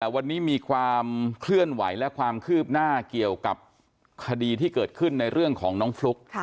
วันนี้มีความเคลื่อนไหวและความคืบหน้าเกี่ยวกับคดีที่เกิดขึ้นในเรื่องของน้องฟลุ๊ก